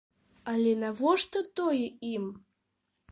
Але навошта тое ім?